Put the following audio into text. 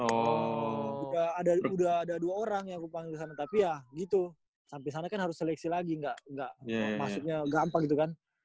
jika udah ada dua orang yang aku panggil ke sana tapi ya gitu sampai sana kan harus seleksi lagi gak maksudnya gampang gitu kan